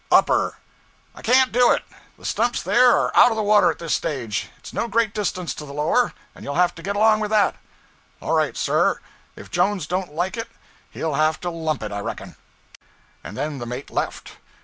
'Upper.' 'I can't do it. The stumps there are out of water at this stage: It's no great distance to the lower, and you'll have to get along with that.' 'All right, sir. If Jones don't like it he'll have to lump it, I reckon.' And then the mate left.